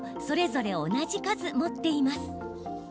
それぞれ同じ数、持っています。